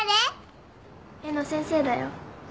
絵の先生だよ